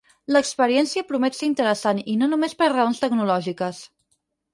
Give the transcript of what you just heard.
L'experiència promet ser interessant i no només per raons tecnològiques.